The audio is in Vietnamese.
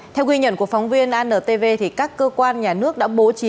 theo ghi nhận của phóng viên antv các cơ quan nhà nước đã bố trí